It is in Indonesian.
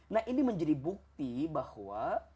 nah ini menjadi bukti bahwa